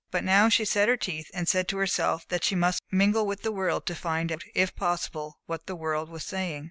But now she set her teeth and said to herself that she must mingle with the world to find out, if possible, what the world was saying.